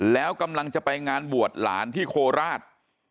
แล้วกำลังจะไปงานบวชหลานที่โคราช